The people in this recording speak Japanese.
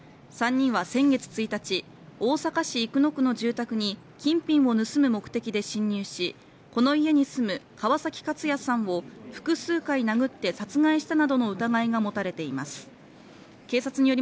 ３人は先月１日大阪市生野区の住宅に金品を盗む目的で侵入しこの家に住む川崎勝哉さんも複数回殴って殺害したなどの疑いが持たれています